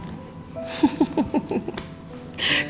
aku jatuh cinta ma